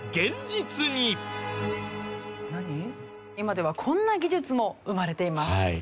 今ではこんな技術も生まれています。